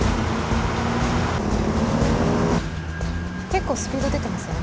結構スピード出てません？